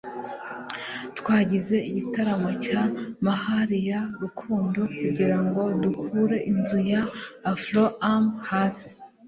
Twagize igitaramo cya Mahalia Rukundo kugirango dukure inzu ya Afro-Am hasi